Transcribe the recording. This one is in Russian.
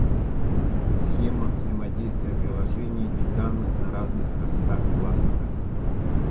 Схема взаимодействия приложения и данных на разных хостах кластера